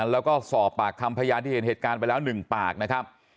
แล้วก็สอบปากคำพยานที่เห็นเหตุการณ์ไปแล้ว๑ปากนะครับ